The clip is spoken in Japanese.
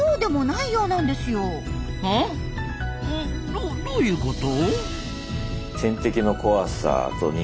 どどういうこと？